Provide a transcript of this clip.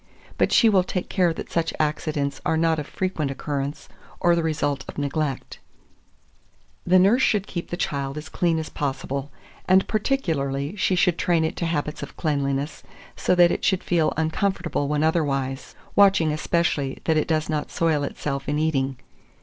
But she will take care that such accidents are not of frequent occurrence, or the result of neglect. 2400. The nurse should keep the child as clean as possible, and particularly she should train it to habits of cleanliness, so that it should feel uncomfortable when otherwise; watching especially that it does not soil itself in eating.